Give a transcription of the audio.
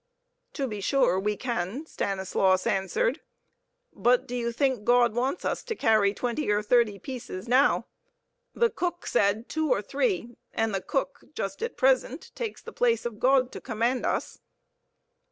"To be sure we can," Stanislaus answered. "But do you think God wants us to carry twenty or thirty pieces now? The cook said two or three, and the cook just at present takes the place of God to command us."